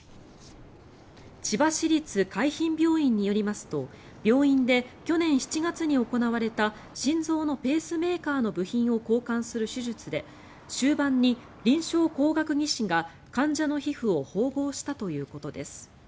千葉市立海浜病院によりますと病院で去年７月に行われた心臓のペースメーカーの部品を交換する手術で終盤に臨床工学技士が患者の皮膚を縫合したということです。